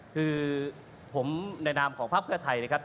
คือผมในนามของภาคเพื่อไทยนะครับ